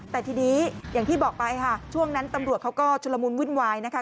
แต่ทีนี้อย่างที่บอกไปค่ะช่วงนั้นตำรวจเขาก็ชุลมุนวุ่นวายนะคะ